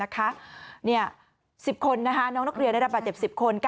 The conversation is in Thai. ๑๐คนน้องนักเรียนได้รับบาดเจ็บ๑๐คน